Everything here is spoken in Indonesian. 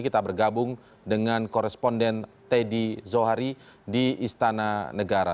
kita bergabung dengan koresponden teddy zohari di istana negara